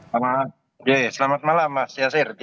selamat malam pak bergas selamat malam pak siasir